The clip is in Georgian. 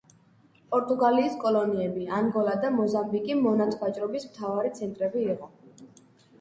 პორტუგალიის კოლონიები: ანგოლა და მოზამბიკი მონათვაჭრობის მთავარი ცენტრები იყო.